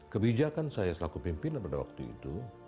kebijakan saya selaku pimpinan pada waktu itu